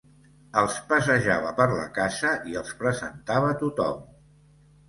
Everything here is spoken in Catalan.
Els passejava per la casa i els presentava tothom.